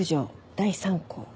第３項。